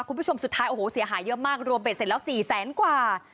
คุณผู้ชมสุดท้ายโอ้โหเสียหายเยอะมากรวมเบ็ดเสร็จแล้ว๔แสนกว่า